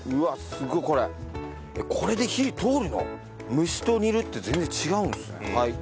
蒸しと煮るって全然違うんですね。